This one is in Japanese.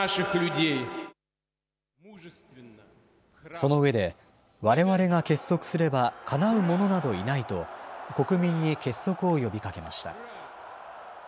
その上で、われわれが結束すれば、かなう者などいないと、国民に結束を呼びかけました。